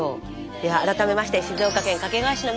では改めまして静岡県掛川市のみなさん